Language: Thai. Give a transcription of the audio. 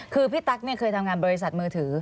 คือพี่ตั๊กเคยทำงานบริษัทมือถือ